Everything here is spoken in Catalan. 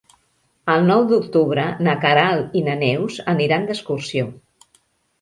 El nou d'octubre na Queralt i na Neus aniran d'excursió.